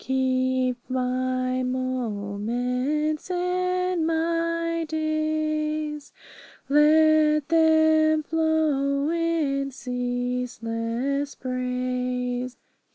Keep my moments and my days; Let them flow in ceaseless praise.